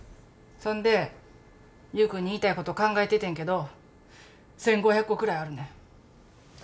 そんで優君に言いたいこと考えててんけど１，５００個くらいあるねん。